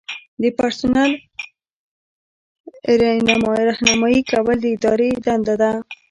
د پرسونل رہنمایي کول د ادارې دنده ده.